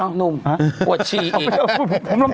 เอานุ่มปวดชีกลับไปนี่